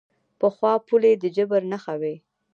پخوا پولې د جبر نښه وې.